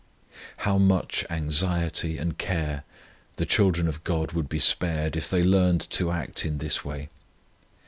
How much anxiety and care the children of GOD would be spared if they learned to act in this way!